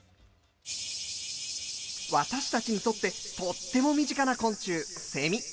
私たちにとってとっても身近な昆虫、セミ。